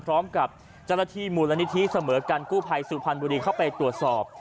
พร้อมกับเจ้าหน้าที่มูลนิธิเสมอกันกู้ภัยสุพรรณบุรีเข้าไปตรวจสอบ